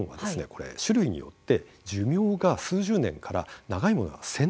これ種類によって寿命が数十年から長いものは１，０００年ぐらいあるんですよ。